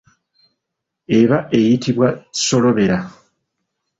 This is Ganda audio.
Eba eyitibwa solobera.